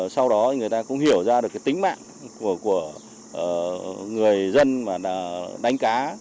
sau đó người ta cũng hiểu ra được tính mạng của người dân đánh cá